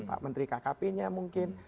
pak menteri kkp nya mungkin